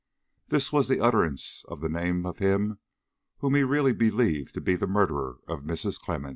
This was the utterance of the name of him whom he really believed to be the murderer of Mrs. Clemmens.